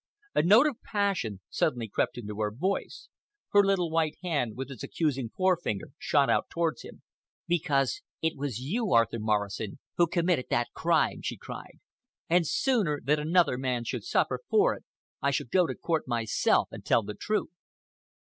A note of passion suddenly crept into her voice. Her little white hand, with its accusing forefinger, shot out towards him. "Because it was you, Arthur Morrison, who committed that crime," she cried, "and sooner than another man should suffer for it, I shall go to court myself and tell the truth."